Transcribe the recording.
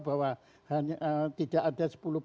bahwa tidak ada